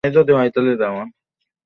ওহ, sir!